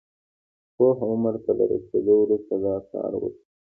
پوخ عمر ته له رسېدو وروسته دا کار وکړي.